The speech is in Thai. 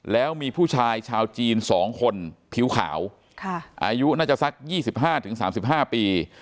แล้วมีผู้ชายชาวจีนสองคนผิวขาวค่ะอายุน่าจะสักยี่สิบห้าถึงสามสิบห้าปี